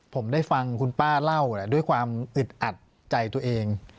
ผมได้ฟังคุณป้าเล่าด้วยความอึดอัดใจตัวเอง